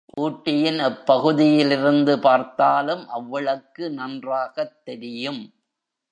ஊட்டியின் எப்பகுதியிலிருந்து பார்த்தாலும் அவ்விளக்கு நன்றாகத் தெரியும்.